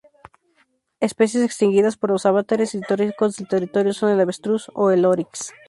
Especies extinguidas por los avatares históricos del territorio son el avestruz o el oryx.